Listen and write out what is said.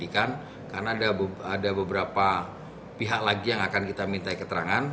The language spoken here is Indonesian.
karena ada beberapa pihak lagi yang akan kita minta keterangan